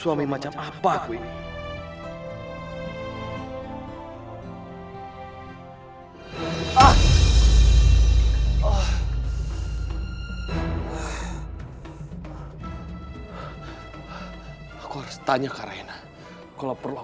afif ada apa sih